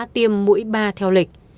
tiêm mũi ba theo lịch